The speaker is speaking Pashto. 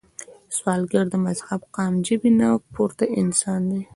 سوالګر د مذهب، قام، ژبې نه پورته انسان دی